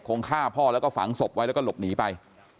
ฆ่าพ่อแล้วก็ฝังศพไว้แล้วก็หลบหนีไป